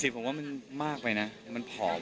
ผมว่ามันมากไปนะมันผอม